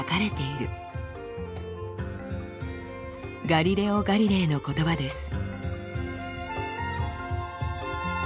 ガリレオ・ガリレイの言葉です。